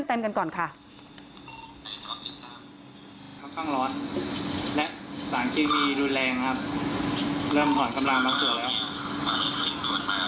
น้ำน้ำน้ำตัดหัวตัดหัว